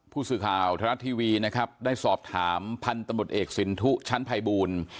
ผู้สื่อข่าวทรัฐทีวีนะครับได้สอบถามพันธุ์ตำรวจเอกสินทุชั้นภัยบูล